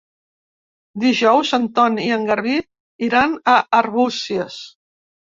Dijous en Ton i en Garbí iran a Arbúcies.